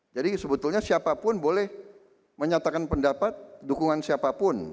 jadi sebetulnya siapapun boleh menyatakan pendapat dukungan siapapun